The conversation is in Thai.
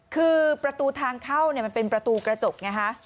คือประตูทางเข้ามันเป็นประตูกระจกไงฮะ